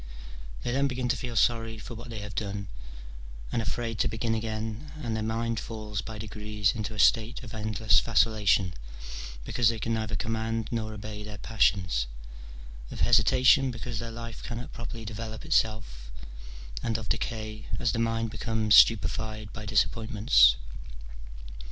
They then begin to feel sorry for what they have done, and afraid to begin again, and their mind falls by degrees into a state of endless vacillation, because they can neither command nor obey their passions, of hesitation, because their life cannot properly develope itself, and of decay, as the mind becomes stupefied by disappointments.